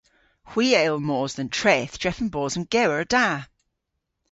Hwi a yll mos dhe'n treth drefen bos an gewer da.